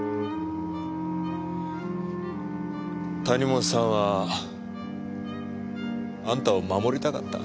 谷本さんはあんたを守りたかった。